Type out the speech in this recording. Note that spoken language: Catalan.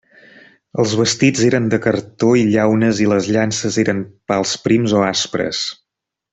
Els vestits eren de cartó i llaunes i les llances eren pals prims o aspres.